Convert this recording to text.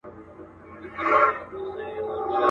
هغه غوټه په غاښو ورڅخه پرې کړه.